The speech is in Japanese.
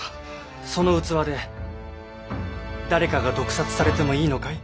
その器で誰かが毒殺されてもいいのかい？